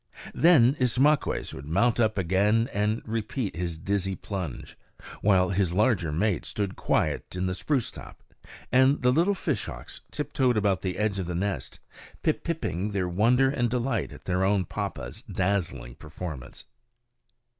Then Ismaques would mount up again and repeat his dizzy plunge, while his larger mate stood quiet in the spruce top, and the little fishhawks tiptoed about the edge of the nest, pip pipping their wonder and delight at their own papa's dazzling performance.